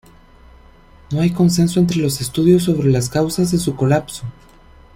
No hay consenso entre los estudiosos sobre las causas de su colapso.